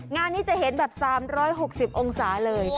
งานนี้จะเห็นแบบ๓๖๐องศาเลย